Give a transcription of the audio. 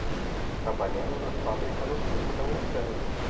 Trabalhando na fábrica no topo da montanha